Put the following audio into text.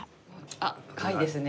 あっ貝ですね。